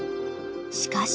［しかし］